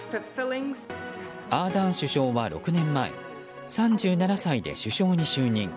アーダーン首相は６年前３７歳で首相に就任。